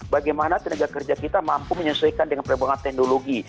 bagaimana tenaga kerja kita mampu menyesuaikan dengan perkembangan teknologi